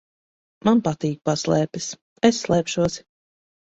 Man patīk paslēpes. Es slēpšos.